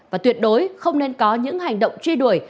và tuyệt đối không nên có những hành động truy đuổi